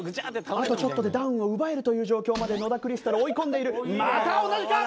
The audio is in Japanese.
あとちょっとでダウンを奪えるという状況まで野田クリスタル追い込んでいる。